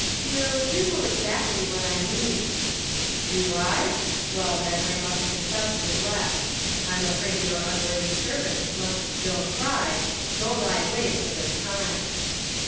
" Will, you know exactly what I mean." 122 The Pocket Measure. " Do I ? Well, then, I must confess neglect. I'm afraid your unworthy servant must still cry, ' Go thy way for this time.'